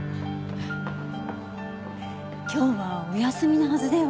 今日はお休みのはずでは？